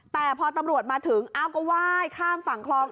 แต่พอตำรวจมาถึงอ้าวก็ไหว้ข้ามฝั่งคลอง